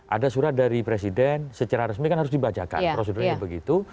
ada surat dari presiden secara resmi kan harus dibacakan prosedurnya begitu